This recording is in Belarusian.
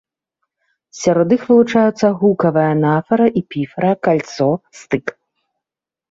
Сярод іх вылучаюцца гукавая анафара, эпіфара, кальцо, стык.